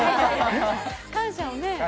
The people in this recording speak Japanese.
感謝をね。